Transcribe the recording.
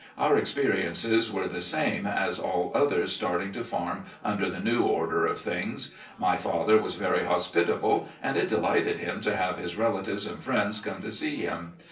Our experiences were the same as all others starting to farm under the new order of things. My father was very hospitable, and it delighted him to have his relatives and friends come to see him.